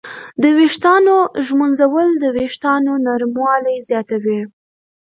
د ویښتانو ږمنځول د وېښتانو نرموالی زیاتوي.